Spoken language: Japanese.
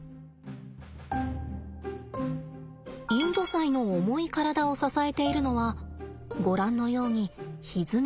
インドサイの重い体を支えているのはご覧のようにひづめです。